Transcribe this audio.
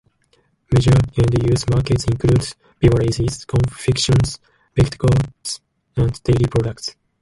Major end-use markets include beverages, confections, baked goods, and dairy products.